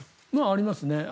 ありますね。